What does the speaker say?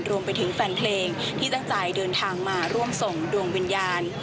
รวมไปถึงแฟนเพลงที่ตั้งใจเดินทางมาร่วมส่งดวงวิญญาณ